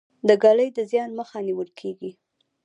د ږلۍ د زیان مخه نیول کیږي.